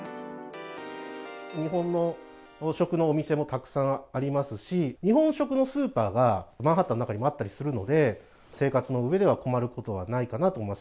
日本の食のお店もたくさんありますし、日本食のスーパーがマンハッタンの中にもあったりするので、生活の上では困ることはないかなと思います。